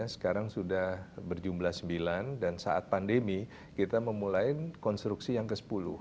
sekarang sudah berjumlah sembilan dan saat pandemi kita memulai konstruksi yang ke sepuluh